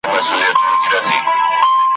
ماته د یارانو د مستۍ خبري مه کوه ,